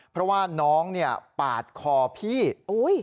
เพราะว่าน้องเนี่ยปาดคอพี่อุ้ย